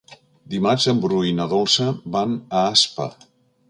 Dimarts en Bru i na Dolça van a Aspa.